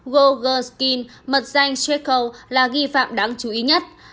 gol gurskin mật danh chekhov là nghi phạm đáng chú ý nhất